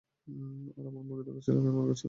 আর আমার মুরগির দরকার ছিল, এই মুর্গার ছাতা না।